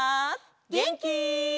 げんき？